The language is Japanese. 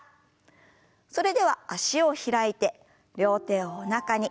それでは脚を開いて両手をおなかに。